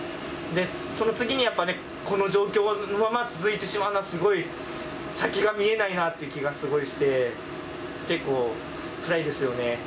その次にやっぱり、この状況が続いてしまうのは、すごい、先が見えないなっていう気がすごいして、結構つらいですよね。